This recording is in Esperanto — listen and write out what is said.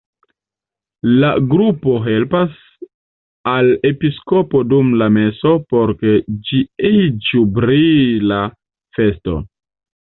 La grupo helpas al episkopo dum la meso, por ke ĝi iĝu brila festo.